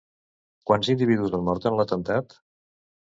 Quants individus han mort en l'atemptat?